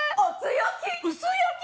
薄焼き？